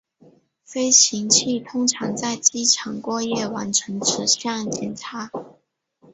飞行器通常在机场过夜完成此项检查。